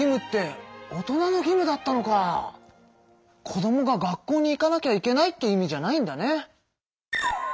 子どもが学校に行かなきゃいけないって意味じゃないんだね。